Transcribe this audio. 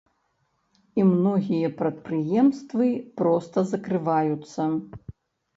І многія прадпрыемствы проста закрываюцца.